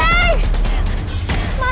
malin jangan lupa